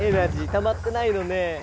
たまってないのね。